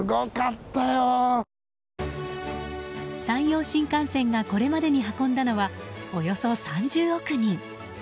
山陽新幹線がこれまでに運んだのはおよそ３０億人。